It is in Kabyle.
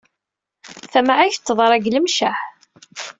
Tamɛayt teḍra deg Lemceɛ.